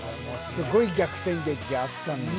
すごい逆転劇があったんですよ。